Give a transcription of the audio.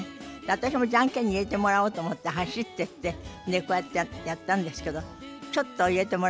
私もジャンケンに入れてもらおうと思って走ってってこうやってやったんですけどちょっと入れてもらえなくて。